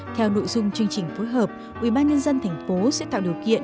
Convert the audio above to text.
theo nội dung chương trình phối hợp ủy ban nhân dân tp sẽ tạo điều kiện